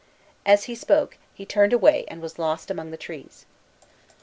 As he spoke, he turned away and was lost among the trees.